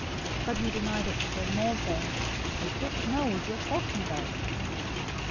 026:070 But he denied it before them all, saying, "I don't know what you are talking about."